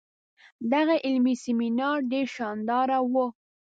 دغه علمي سیمینار ډیر شانداره وو.